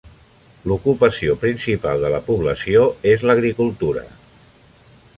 L'ocupació principal de la població és l'agricultura.